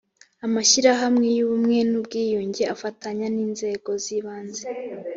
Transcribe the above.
amashyirahamwe y ubumwe n ubwiyunge afatanya n inzego z ibanze